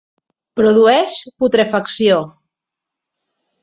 Produeix putrefacció.